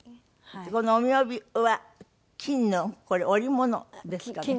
この御御帯は金のこれ織物ですかね？